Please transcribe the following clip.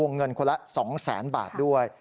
เงินคนละ๒๐๐๐๐บาทด้วย